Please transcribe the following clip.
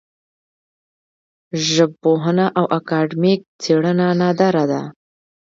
ژبپوهنه او اکاډمیک څېړنه نادره ده